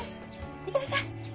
行ってらっしゃい。